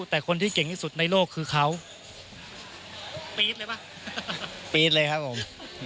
แต่คนที่เก่งที่สุดในโลกคือเขาปี๊ดเลยป่ะปี๊ดเลยครับผม